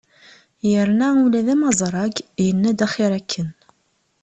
Yerna ula d amaẓrag, yenna-d axir akken.